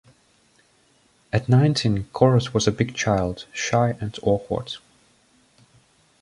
At nineteen, Corot was a big child, shy and awkward.